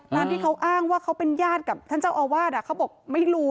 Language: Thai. ตามที่เขาอ้างว่าเขาเป็นญาติกับท่านเจ้าอาวาสเขาบอกไม่รู้